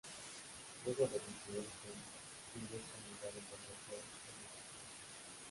Luego del incidente, Fry busca un lugar en donde hacer sus necesidades.